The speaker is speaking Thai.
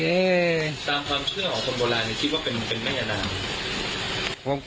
ตามความเชื่อของคนโบราณนี่คิดว่าเป็นแม่น้ำ